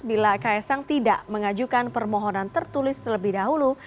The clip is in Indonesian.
bila kaisang tidak mengajukan permohonan tertulis terlebih dahulu